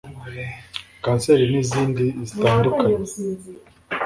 kanseri n’izindi zitandukanye